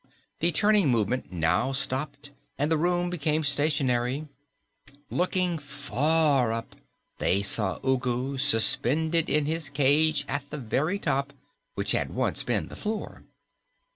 The turning movement now stopped, and the room became stationary. Looking far up, they saw Ugu suspended in his cage at the very top, which had once been the floor.